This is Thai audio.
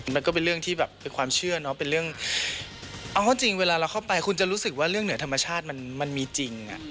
มันก็เป็นเรื่องที่เป็นความเชื่อเอาจริงเวลาเราเข้าไปคุณจะรู้สึกว่าเรื่องเหนือธรรมชาติมันมีจริง